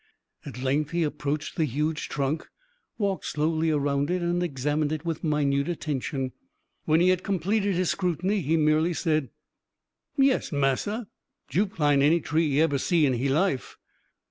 At length he approached the huge trunk, walked slowly around it and examined it with minute attention. When he had completed his scrutiny, he merely said: "Yes, massa, Jup climb any tree he eber see in he life."